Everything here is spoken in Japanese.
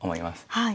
はい。